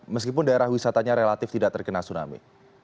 meskipun daerah wisatanya relatif tidak terkena tsunami